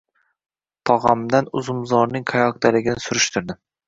Tog‘amdan uzumzorning qayoqdaligini surishtirdim